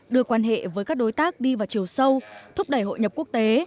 đưa quan hệ với các đối tác đi vào chiều sâu thúc đẩy hội nhập quốc tế